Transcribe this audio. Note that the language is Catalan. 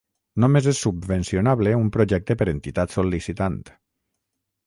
Només és subvencionable un projecte per entitat sol·licitant.